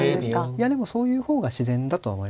いやでもそういう方が自然だとは思いますね。